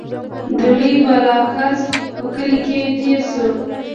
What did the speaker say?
د لوی بالاکرز په کلي کې تېر شوو.